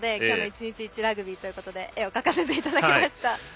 今日の１日１ラグビーということで絵を描かせていただきました。